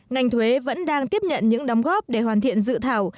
ngành thuế vẫn đang tiếp nhận những đóng góp để hoàn thiện dự thảo